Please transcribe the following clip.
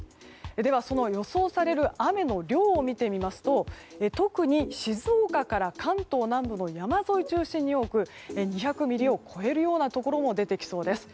では、その予想される雨の量を見てみますと特に静岡から関東南部の山沿い中心に多く２００ミリを超えるようなところも出てきそうです。